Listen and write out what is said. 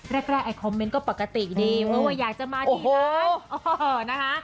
แรกไอคอมเมนต์ก็ปกติดีเพราะว่าอยากจะมาที่ร้านนะคะ